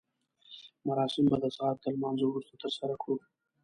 مراسم به د سهار تر لمانځه وروسته ترسره کړو.